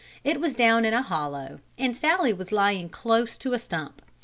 It was down in a hollow, and Sallie was lying close to a stump.